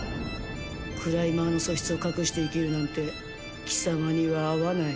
クライマーの素質を隠して生きるなんて貴様には合わない。